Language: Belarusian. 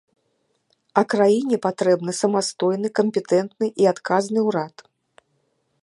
А краіне патрэбны самастойны кампетэнтны і адказны ўрад.